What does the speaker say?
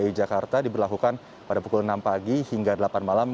dki jakarta diberlakukan pada pukul enam pagi hingga delapan malam